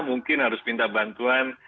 mungkin harus minta bantuan